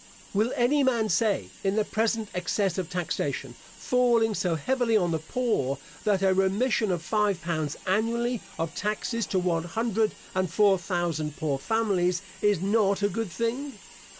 Will any man say, in the present excess of taxation, falling so heavily on the poor, that a remission of five pounds annually of taxes to one hundred and four thousand poor families is not a good thing?